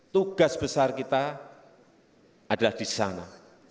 tugas besar kita adalah di sana